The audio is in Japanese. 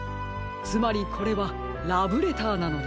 つまりこれはラブレターなのです。